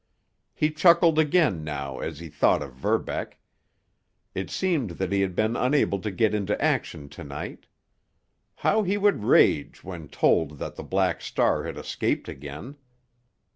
He chuckled again now as he thought of Verbeck. It seemed that he had been unable to get into action to night. How he would rage when told that the Black Star had escaped again!